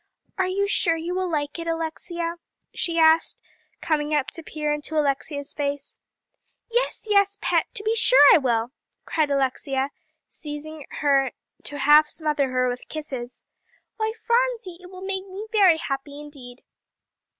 "Are you sure you will like it, Alexia?" she asked, coming up to peer into Alexia's face. "Yes, yes, Pet, to be sure I will," cried Alexia, seizing her to half smother her with kisses. "Why, Phronsie, it will make me very happy indeed."